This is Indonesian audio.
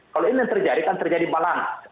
kalau ini yang terjadi kan terjadi malang